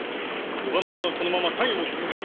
他の者はこのまま作業を続けろ。